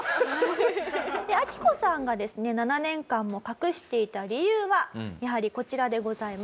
アキコさんがですね７年間も隠していた理由はやはりこちらでございます。